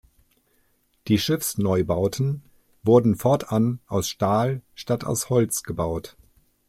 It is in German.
Die Schiffsneubauten wurden fortan aus Stahl statt aus Holz gebaut.